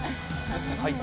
はい。